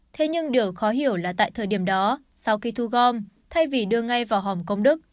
thế nhưng điều khó hiểu là tại thời điểm đó sau khi thu gom thay vì đưa ngay vào hòm công đức